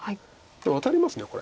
ワタれますこれ。